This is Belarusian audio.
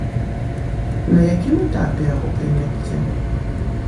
На якім этапе яго прыняцце?